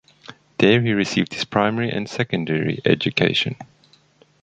There, he received his primary and secondary education.